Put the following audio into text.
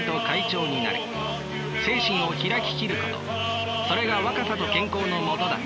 精神をひらききることそれが若さと健康のもとだ。